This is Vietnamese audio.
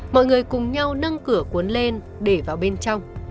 mọi người cùng nhau nâng cửa cuốn lên để vào bên trong